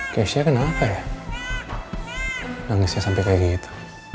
kayaknya kenapa ya nangisnya sampe kayak gitu